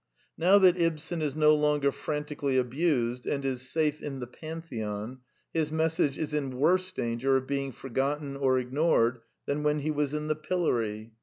Now that Ibsen is no longer frantically abused, and is safe in the Pantheon, his message is in worse danger of being forgotten or ignored than when he was in the pillory.